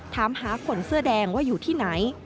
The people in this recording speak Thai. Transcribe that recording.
ถามหาคนเสื้อแดงว่าอยู่ที่ไหน